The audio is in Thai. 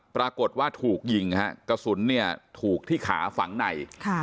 ปรากฏว่าถูกยิงฮะกระสุนเนี่ยถูกที่ขาฝังใน